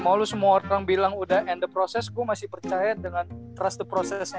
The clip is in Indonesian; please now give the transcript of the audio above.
mau lu semua orang bilang udah end the process gue masih percaya dengan trust the process nya